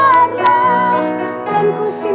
nag dramatika dan keindahan